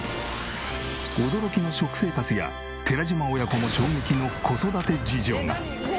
驚きの食生活や寺島親子も衝撃の子育て事情が。